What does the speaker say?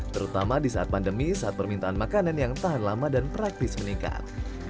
terutama di saat pandemi saat permintaan makanan yang tahan lama dan praktis meningkat